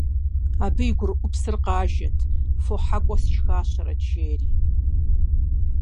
Абыи и гурыӏупсыр къажэрт: «Фо хьэкӏуэ сшхащэрэт!» - жери.